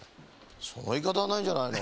そのいいかたはないんじゃないの？